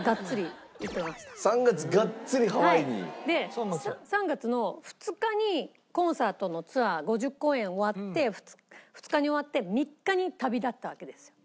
で３月の２日にコンサートのツアー５０公演終わって２日に終わって３日に旅立ったわけですよ。